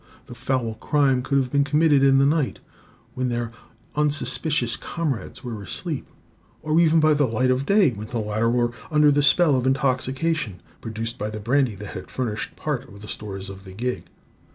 The foul crime could have been committed in the night, when their unsuspicious comrades were asleep; or even by the light of day, when the latter were under the spell of intoxication, produced by the brandy that had furnished part of the stores of the gig.